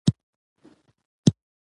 موږ بايد د جملې مفهوم ته لومړیتوب ورکړو.